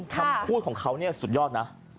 คำพูดของเขาเนี่ยสุดยอดนะ